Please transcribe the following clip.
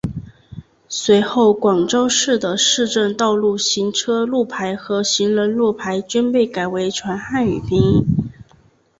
随后广州市的市政道路行车路牌和行人路牌均被改成全汉语拼音。